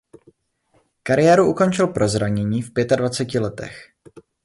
Kariéru ukončil pro zranění v pětadvaceti letech.